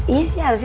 iya sih harusnya